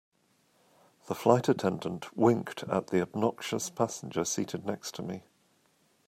The flight attendant winked at the obnoxious passenger seated next to me.